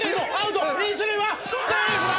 一塁はセーフだ！」